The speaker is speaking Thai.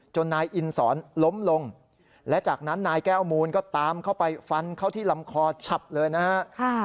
นายอินสอนล้มลงและจากนั้นนายแก้วมูลก็ตามเข้าไปฟันเข้าที่ลำคอฉับเลยนะฮะ